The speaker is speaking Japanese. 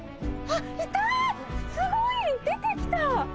すごい。出てきた。